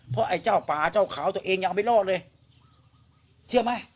เพราะไอ้เจ้าป่าเจ้าเขาตัวเองยังไม่รอดเลยเชื่อไหม